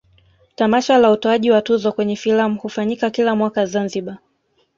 tamasha la utoaji wa tuzo kwenye filamu hufanyika kila mwaka zanzibar